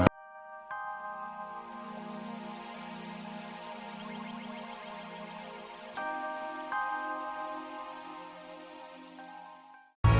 udah lama kita enam puluh empat